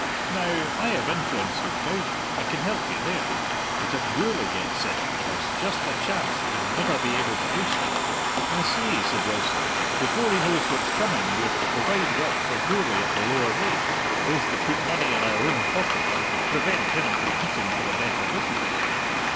Now, I have influence wi' Goudie; I can help you there. But if Gourlay gets in there's just a chance that you'll never be able to oust him." "I see," said Wilson. "Before he knows what's coming, we're to provide work for Gourlay at the lower rate, both to put money in our own pocket and prevent him competing for the better business."